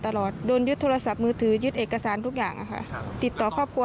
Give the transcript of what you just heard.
ตลอดโดนยึดโทรศัพท์มือถือยึดเอกสารทุกอย่างติดต่อครอบครัว